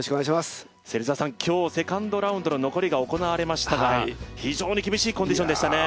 今日、セカンドラウンドの残りが行われましたが、非常に厳しいコンディションでしたね。